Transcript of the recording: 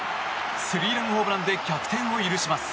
スリーランホームランで逆転を許します。